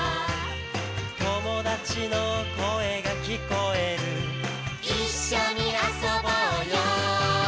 「友達の声が聞こえる」「一緒に遊ぼうよ」